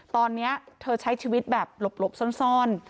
ตอนนี้เธอใช้ชีวิตแบบหลบซ่อน